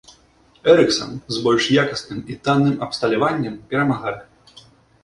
Эрыксан, з больш якасным і танным абсталяваннем, перамагае.